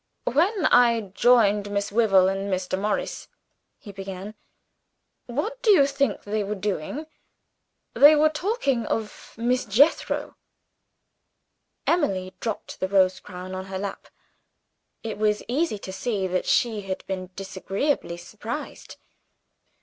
"When I joined Miss Wyvil and Mr. Morris," he began, "what do you think they were doing? They were talking of Miss Jethro." Emily dropped the rose crown on her lap. It was easy to see that she had been disagreeably surprised.